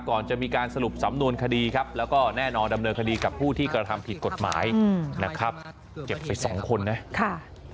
ก่อนจะมีการสรุปสำนวนคดีครับแล้วก็แน่นอนดำเนินคดีกับผู้ที่กระทำผิดกฎหมายนะครับเก็บไปสองคนนะค่ะ